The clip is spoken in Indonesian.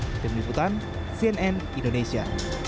dengan penyelidikan cnn indonesia